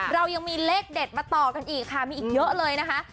เรายังมีเลขเด็ดมาต่อกันอีกค่ะมีอีกเยอะเลยนะคะ